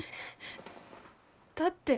だって。